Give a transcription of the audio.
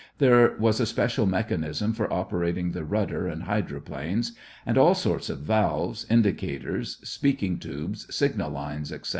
There was a special mechanism for operating the rudder and hydroplanes, and all sorts of valves, indicators, speaking tubes, signal lines, etc.